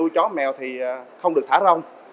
chó mèo không được thả rong